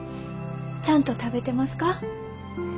ちゃんと食べてますか？